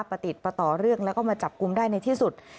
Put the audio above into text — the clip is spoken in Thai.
ประติดประต่อเรื่องแล้วก็มาจับกลุ่มได้ในที่สุด